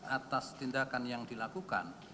atas tindakan yang dilakukan